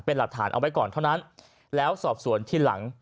เป็นหลักฐานเอาไว้ก่อนเท่านั้นแล้วสอบสวนทีหลัง